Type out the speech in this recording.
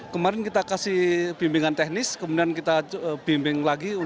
kemarin kita kasih bimbingan teknis kemudian kita bimbing lagi